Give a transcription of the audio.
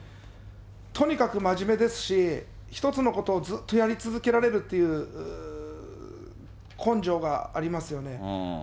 とにかく真面目ですし、一つのことをずっとやり続けられるっていう根性がありますよね。